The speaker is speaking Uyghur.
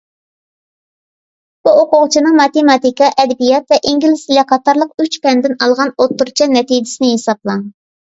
بۇ ئوقۇغۇچىنىڭ ماتېماتىكا، ئەدەبىيات ۋە ئىنگلىز تىلى قاتارلىق ئۈچ پەندىن ئالغان ئوتتۇرىچە نەتىجىسىنى ھېسابلاڭ.